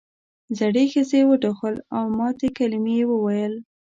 زړې ښځې وټوخل او ماتې کلمې یې وویل.